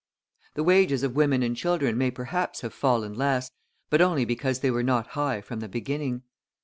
The wages of women and children may perhaps have fallen less, but only because they were not high from the beginning.